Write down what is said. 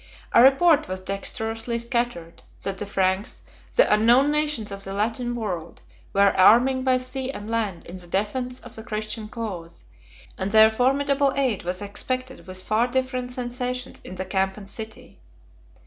A report was dexterously scattered, that the Franks, the unknown nations of the Latin world, were arming by sea and land in the defence of the Christian cause, and their formidable aid was expected with far different sensations in the camp and city.